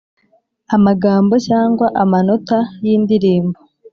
amagambo cyangwa amanota y Indirimbo